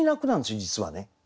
実はね。